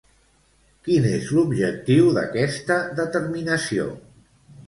Quin és l'objectiu d'aquesta determinació?